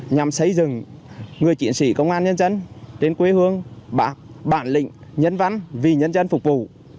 nhằm xây dựng người chiến sĩ công an nhân dân đến quê hương bạc bản lịnh nhân văn vì nhân dân phục vụ